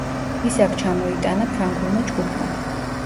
ის აქ ჩამოიტანა ფრანგულმა ჯგუფმა.